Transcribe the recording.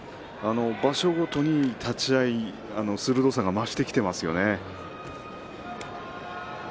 場所ごとに立ち合いの鋭さが増してきていますね。